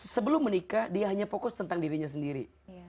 sebelum menikah dia hanya fokus tentang dirinya sendiri